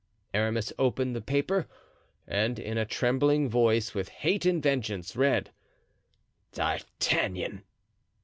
Aramis opened the paper, and in a voice trembling with hate and vengeance read "D'Artagnan."